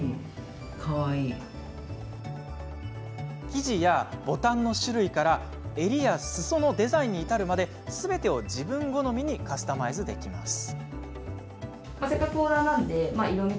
生地やボタンの種類からすそや襟のデザインに至るまですべてを自分好みにカスタマイズできます。